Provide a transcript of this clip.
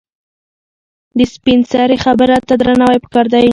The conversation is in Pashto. د سپینسرې خبره ته درناوی پکار دی.